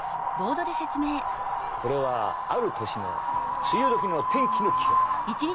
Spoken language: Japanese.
これはある年の梅雨どきの天気の記録だ。